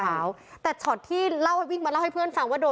แต่ตัวชอดที่เล่าวิ่งมาเล่าให้เพื่อนฟังว่าโดน